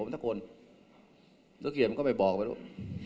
ถ้าเกลียดก็ไปบอกไปด้วย